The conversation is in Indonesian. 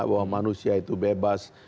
bahwa manusia itu bebas